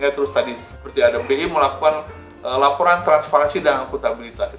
tadi seperti ada bmi melakukan laporan transparansi dan akuntabilitas